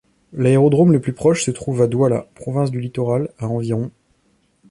L'aérodrome le plus proche se trouve à Douala, province du littoral à environ.